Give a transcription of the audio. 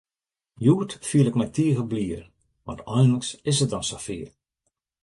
Hjoed fiel ik my tige blier, want einlings is it dan safier!